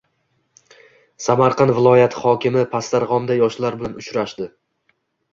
Samarqand viloyati hokimi Pastdarg‘omda yoshlar bilan uchrashdi